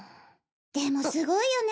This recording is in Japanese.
でもすごいよね